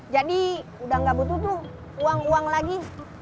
jadi udah ga butuh tuh uang uang lagi